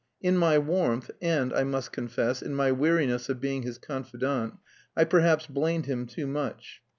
In my warmth and, I must confess, in my weariness of being his confidant I perhaps blamed him too much.